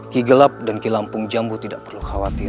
ki gelap dan kilampung jambu tidak perlu khawatir